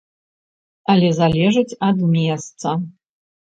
Але залежыць ад месца.